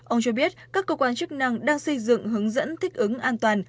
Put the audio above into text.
ông cho biết các cơ quan chức năng đang xây dựng hướng dẫn thích ứng an toàn